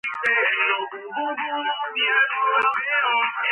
მდებარეობს გრაუბიუნდენის კანტონში; გადაჰყურებს შპლიუგენის მუნიციპალიტეტს.